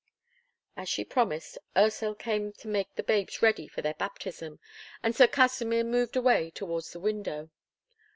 As she promised, Ursel came to make the babes ready for their baptism, and Sir Kasimir moved away towards the window.